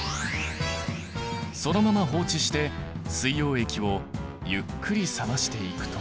そのまま放置して水溶液をゆっくり冷ましていくと。